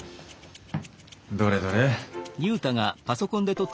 どれどれ。